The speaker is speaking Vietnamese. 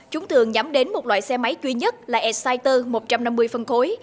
chúng thường nhắm đến một loại xe máy duy nhất là airciter một trăm năm mươi phân khối